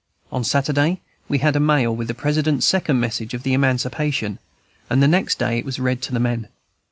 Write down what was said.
On Saturday we had a mail with the President's Second Message of Emancipation, and the next day it was read to the men.